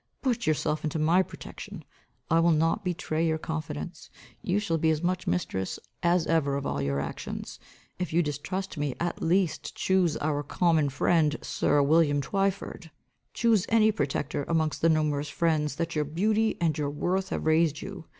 Put yourself into my protection. I will not betray your confidence. You shall be as much mistress as ever of all your actions. If you distrust me, at least chuse our common friends sir William Twyford. Chuse any protector among the numerous friends, that your beauty and your worth have raised you.